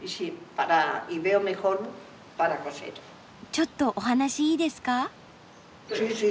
ちょっとお話いいですか？